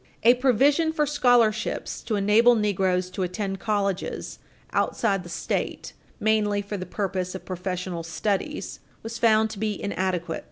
p. 489. A provision for scholarships to enable negroes to attend colleges outside the State, mainly for the purpose of professional studies, was found to be inadequate (Id.